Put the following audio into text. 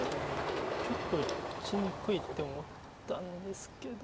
ちょっと打ちにくいって思ったんですけど。